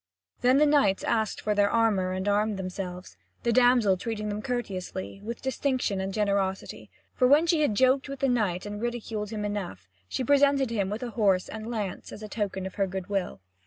Then the knights asked for their armour, and armed themselves, the damsel treating them courteously, with distinction and generosity; for when she had joked with the knight and ridiculed him enough, she presented him with a horse and lance as a token of her goodwill.